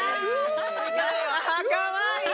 あかわいい！